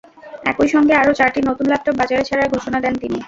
একই সঙ্গে আরও চারটি নতুন ল্যাপটপ বাজারে ছাড়ার ঘোষণা দেন তিনি।